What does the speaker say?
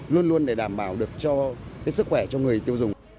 luôn luôn để đảm bảo được cho sức khỏe cho người tiêu dùng